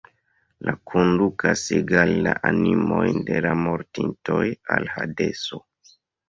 Li kondukas egale la animojn de la mortintoj al Hadeso.